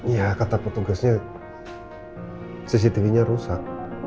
ya kata petugasnya cctv nya rusak